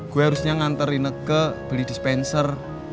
gue harusnya nganter rina ke beli dispenser